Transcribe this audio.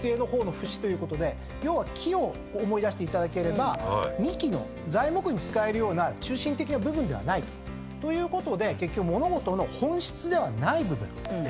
要は木を思い出していただければ幹の材木に使えるような中心的な部分ではないということで結局物事の本質ではない部分。